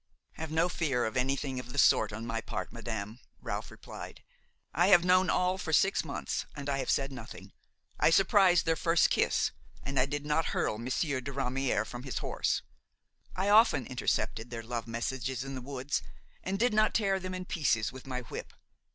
"Have no fear of anything of the sort on my part, madame," Ralph replied; "I have known all for six months and I have said nothing. I surprised their first kiss and I did not hurl Monsieur de Ramière from his horse; I often intercepted their love messages in the woods and did not tear them in pieces with my whip.